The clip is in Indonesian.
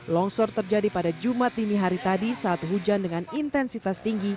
longsor terjadi pada jumat dini hari tadi saat hujan dengan intensitas tinggi